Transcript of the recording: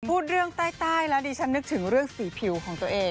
พูดเรื่องใต้แล้วดิฉันนึกถึงเรื่องสีผิวของตัวเอง